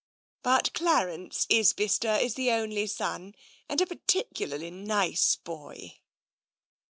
but Clarence Isbister is the only son, and a particularly nice boy."